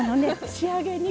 仕上げに。